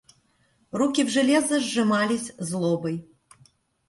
Руки в железо сжимались злобой.